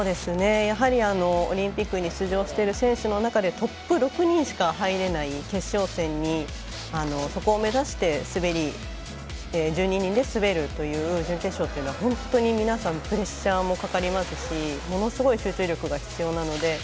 やはりオリンピックに出場している選手の中でトップ６人しか入れない決勝戦にそこを目指して滑り１２人で滑るという準決勝というのは本当に皆さんプレッシャーもかかりますしものすごい集中力が必要なので。